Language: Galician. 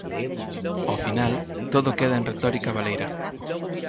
Ao final, todo queda en retórica baleira.